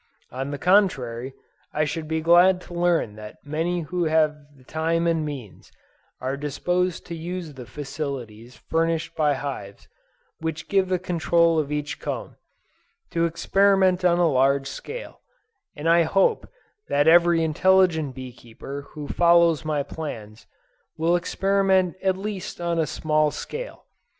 On the contrary, I should be glad to learn that many who have the time and means, are disposed to use the facilities furnished by hives which give the control of each comb, to experiment on a large scale; and I hope that every intelligent bee keeper who follows my plans, will experiment at least on a small scale.